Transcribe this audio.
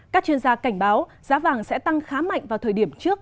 các chuyên gia cảnh báo giá vàng sẽ tăng khá mạnh vào thời điểm trước